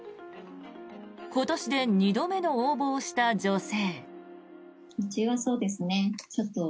今年で２度目の応募をした女性。